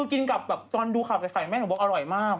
กินกับตอนดูขาวสายไข่แม่ก็ว่าอร่อยมาก